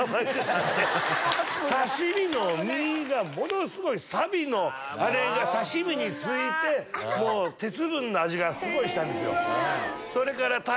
刺し身の身がものすごいサビのあれが刺し身に付いて鉄分の味がすごいしたんですよ。